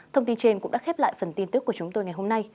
thông tin trên cũng đã khép lại phần tin tức của chúng tôi ngày hôm nay